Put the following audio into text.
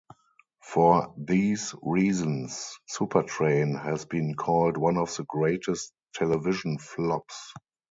For these reasons, Supertrain has been called one of the greatest television flops.